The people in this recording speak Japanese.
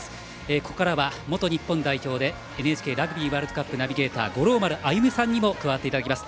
ここからは、元日本代表でＮＨＫラグビーワールドカップナビゲーター五郎丸歩さんにも加わっていただきます。